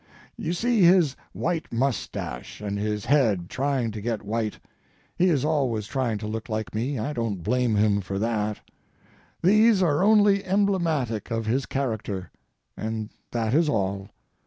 You see his white mustache and his head trying to get white (he is always trying to look like me—I don't blame him for that). These are only emblematic of his character, and that is all.